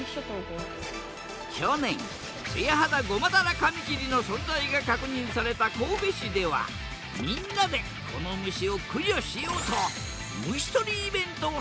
去年ツヤハダゴマダラカミキリの存在が確認された神戸市ではみんなでこの虫を駆除しようと虫とりイベントを始めたへえ。